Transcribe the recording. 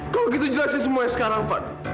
kalau begitu jelaskan semuanya sekarang van